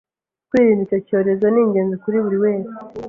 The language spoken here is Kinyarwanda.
kwirinda icyo cyorezo ningenzi kuri buri umwe